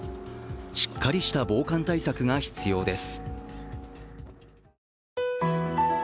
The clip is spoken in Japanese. しっかりした防寒対策が必要です。